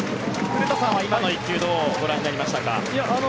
古田さんは今の１球どうご覧になりましたか？